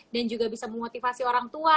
dan juga bisa memotivasi orang tua